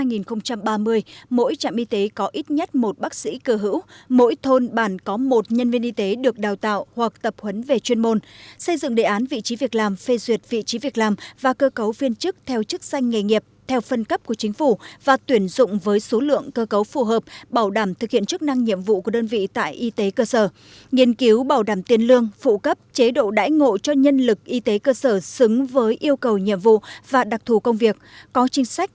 năm hai nghìn ba mươi một mỗi trạm y tế có ít nhất một bác sĩ cơ hữu mỗi thôn bản có một nhân viên y tế được đào tạo hoặc tập huấn về chuyên môn xây dựng đề án vị trí việc làm phê duyệt vị trí việc làm và cơ cấu viên chức theo chức sanh nghề nghiệp theo phân cấp của chính phủ và tuyển dụng với số lượng cơ cấu phù hợp bảo đảm thực hiện chức năng nhiệm vụ của đơn vị tại y tế cơ sở nghiên cứu bảo đảm tiền lương phụ cấp chế độ đải ngộ cho nhân lực y tế cơ sở xứng với yêu cầu nhiệm vụ và đặc thù công việc có chính